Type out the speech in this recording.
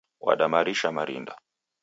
Wada marisha marinda